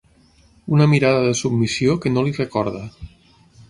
Una mirada de submissió que no li recorda.